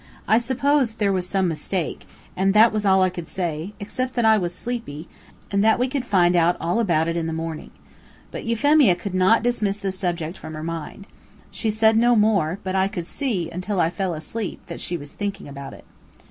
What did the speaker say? I supposed there was some mistake, and that was all I could say, except that I was sleepy, and that we could find out all about it in the morning. But Euphemia could not dismiss the subject from her mind. She said no more, but I could see until I fell asleep that she was thinking about it.